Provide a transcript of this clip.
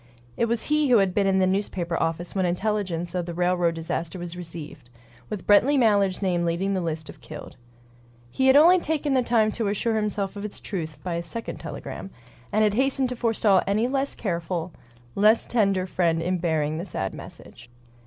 It was he who had been in the newspaper office when intelligence of the railroad disaster was received, with Brently Mallard's name leading the list of "killed." He had only taken the time to assure himself of its truth by a second telegram, and had hastened to forestall any less careful, less tender friend in bearing the sad message.